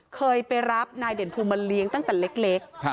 เคยไปรับนายเด่นภูมิมาเลี้ยงตั้งแต่เล็ก